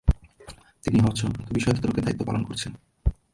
তিনি হজ সংক্রান্ত বিষয় তদারকের দায়িত্ব পালন করেছেন।